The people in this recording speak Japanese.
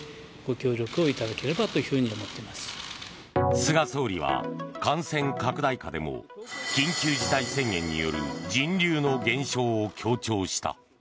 菅総理は感染拡大下でも緊急事態宣言による人流の減少を強調した。